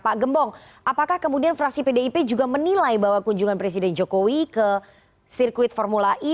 pak gembong apakah kemudian fraksi pdip juga menilai bahwa kunjungan presiden jokowi ke sirkuit formula e